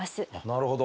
なるほど。